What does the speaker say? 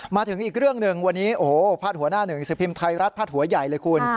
มาถึงอีกเรื่องหนึ่งวันนี้โอ้โหพาดหัวหน้าหนึ่งสิบพิมพ์ไทยรัฐพาดหัวใหญ่เลยคุณ